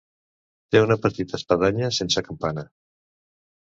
Té una petita espadanya sense campana.